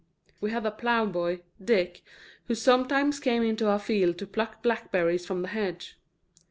We had a ploughboy, Dick, who sometimes came into our field to pluck blackberries from the hedge.